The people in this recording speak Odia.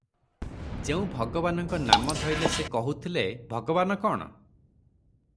ଯେଉଁ ଭଗବାନଙ୍କ ନାମ ଧଇଲେ ସେ କହୁଥିଲେ ଭଗବାନ୍ କଣ?